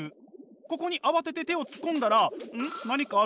ここに慌てて手を突っ込んだらんっ何かあるぞ。